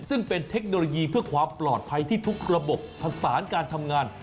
ซึ่งเป็นเทคโนโลยีเพื่อความปลอดภัยที่ทุกระบบผสานการทำงาน